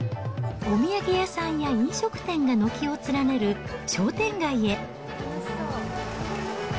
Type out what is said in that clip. お土産屋さんや飲食店が軒を連ねる商店街へ。